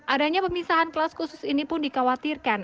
adanya pemisahan kelas khusus ini pun dikhawatirkan